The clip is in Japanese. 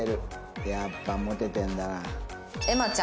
やっぱモテてるんだな。